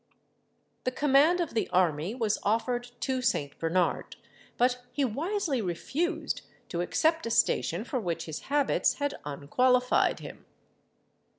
The command of the army was offered to St. Bernard; but he wisely refused to accept a station for which his habits had unqualified him.